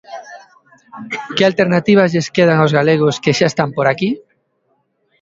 Que alternativas lles quedan aos galegos que xa están por aquí?